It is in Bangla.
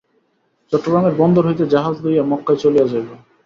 চট্টগ্রামের বন্দর হইতে জাহাজ লইয়া মক্কায় চলিয়া যাইব।